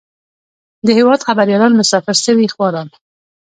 د هېواد خبريالان مسافر سوي خواران.